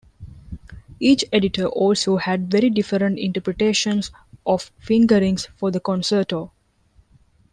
Each editor also had very different interpretations of fingerings for the concerto.